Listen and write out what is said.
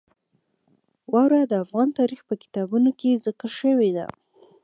واوره د افغان تاریخ په کتابونو کې ذکر شوې ده.